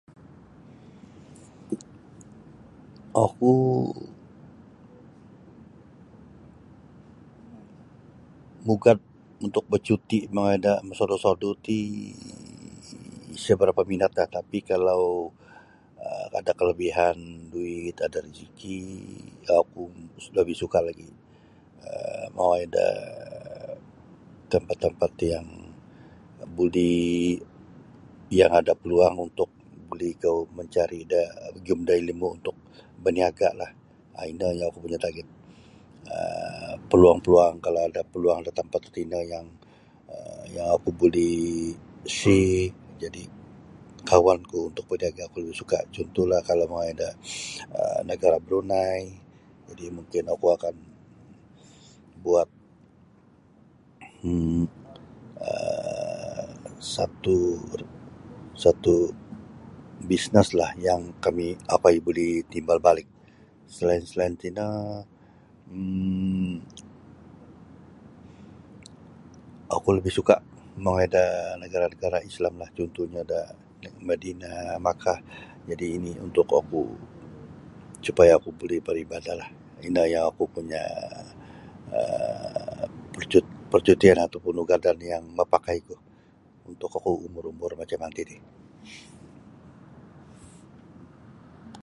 Oku mugad untuk bacuti' mongoi da mosodu'-sodu' ti isa barapa' minatlah tapi' kalau ada kalabihan duit ada rajiki' oku lebih suka' lagi' um mongoi da tempat-tempat yang buli yang ada peluang untuk buli ikou mancari' da magiyum da ilimu' untuk baniaga'lah ah ino yang oku punya target um paluang -paluang kalau ada paluang da tempat tatino yang oku boleh share jadi kawanku untuk baniaga' cuntuhlah kalau mongoi da nagara' Brunei jadi' mungkin oku akan buat um satu satu bisneslah yang kami' okoi buli timbal balik. Selain-selain tino um oku lebih suka' mongoi da nagara'-nagara' Islamlah cuntuhnyo da Madinah Makah jadi' ini untuk oku supaya oku buli baribadatlah. Ino nio oku punya um percu percutian atau pun ugadan yang mapakaiku untuk oku umur-umur macam manti ti.